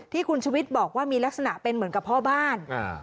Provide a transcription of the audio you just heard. ที่คุณชุวิตบอกว่ามีลักษณะเป็นเหมือนกับพ่อบ้าน